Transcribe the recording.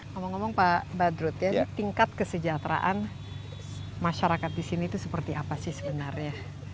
ngomong ngomong pak badrut ya tingkat kesejahteraan masyarakat di sini itu seperti apa sih sebenarnya